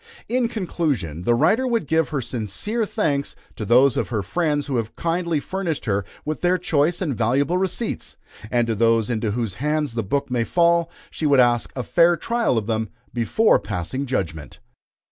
In conclusion, the writer would give her sincere thanks to those of her friends who have kindly furnished her with their choice and valuable receipts: and to those into whose hands the book may fall she would ask a fair trial of them before passing judgment.